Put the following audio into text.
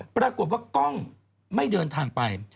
ปรากฏว่ากล้องไม่เดินทางไป